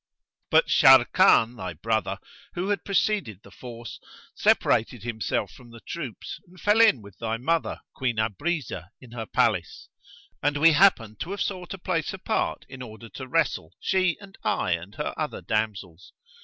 But Sharrkan, thy brother, who had preceded the force, separated himself from the troops and fell in with thy mother Queen Abrizah in her palace; and we happened to have sought a place apart in order to wrestle, she and I and her other damsels.